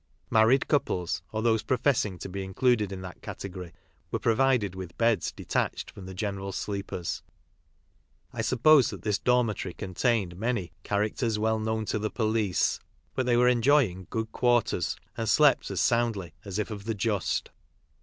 Married couples, or those professing to be included in that category, were provided with beds detached from the general sleepers. I suppose that this dormitory contained many « characters well known to the police, but they were enjoying good quarters, and slept as soundly as if of the Just.